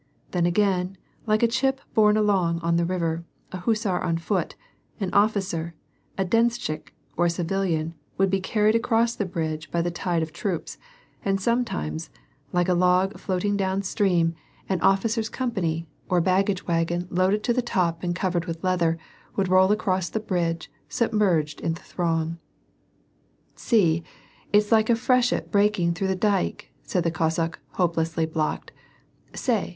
Then again like a chip borne along on the river, a hussar on foot, an officer, a denshchik, or a civilian, would be carried across the bridge by the tide of troops, and sometimes, like a log floating down 164 ^AR AND PEACE. stream, an officer's company, or baggage wagon loaded to the top and covered with leather, would roll across the bridge, sub merged in the throng. " See, it's like a freshet breaking through a dyke " said the Cossack, hopelessly blocked. '^ Say